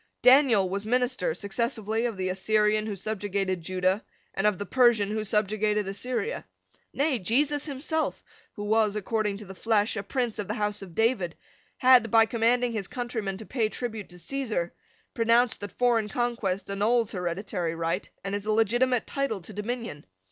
Daniel was minister successively of the Assyrian who subjugated Judah, and of the Persian who subjugated Assyria. Nay, Jesus himself, who was, according to the flesh, a prince of the house of David, had, by commanding his countrymen to pay tribute to Caesar, pronounced that foreign conquest annuls hereditary right and is a legitimate title to dominion.